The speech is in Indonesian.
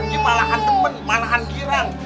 dia malahan temen malahan dirang